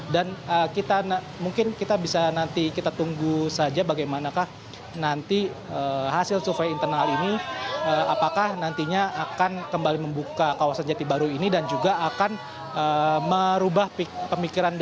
dan mungkin kita bisa nanti kita tunggu saja bagaimana nanti hasil survei internal ini apakah nantinya akan kembali membuka kawasan jati baru ini dan juga akan merubah pemikiran dari